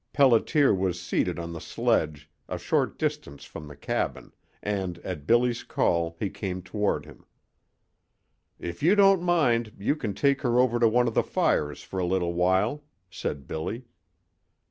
Pelliter was seated on the sledge a short distance from the cabin, and at Billy's call he came toward him. "If you don't mind, you can take her over to one of the fires for a little while," said Billy.